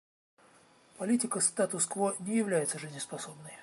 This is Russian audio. Политика статус-кво не является жизнеспособной.